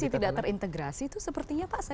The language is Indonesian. tapi masih tidak terintegrasi itu sepertinya pak sekarang